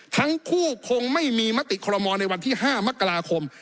ทั้งคู่คงไม่มีมติคอลโมในวันที่๕มกราคม